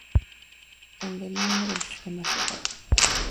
Endemismo del Sistema Central.